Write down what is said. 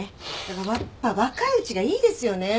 だから若いうちがいいですよね。